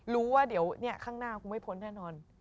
ว่าเดี๋ยวข้างหน้าคงไม่พ้นแน่นอน